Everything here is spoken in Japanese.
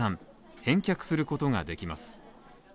返却することができます。